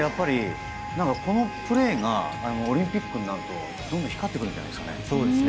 このプレーがオリンピックになるとどんどん光ってくるんじゃないですかね。